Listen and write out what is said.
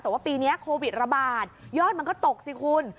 แต่ว่าปีนี้โควิดระบาดยอดมันก็ตกสิคุณ